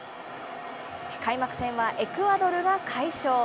開幕戦はエクアドルが快勝。